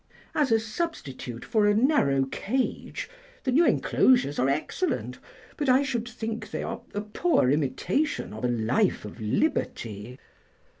As a substitute for a narrow cage the new enclosures are excellent, but I should think they are a poor imitation of a life of liberty."